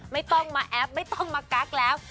ไม่ต้องมาแอปไม่ต้องมากักแล้ว